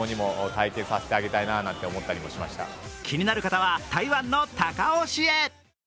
気になる方は台湾の高雄市へ。